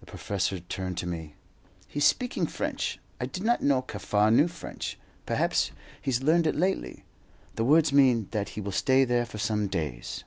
The professor turned to me. "He's speaking French. I did not know Kaffar knew French; perhaps he's learned it lately. The words mean that he will stay there for some days."